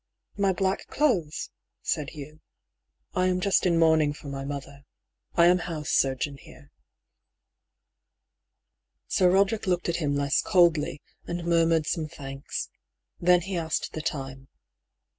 "My black clothes?" said Hugh. "I am just in mourning for my mother. I am house surgeon here." Sir Roderick looked at him less coldly, and mur mured some thanks. Then he asked the time.